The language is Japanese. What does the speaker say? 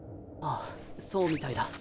ああそうみたいだ。